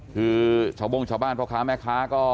คือชาวโบ้งชาวบ้านพ่อค้าแม่ค้าก็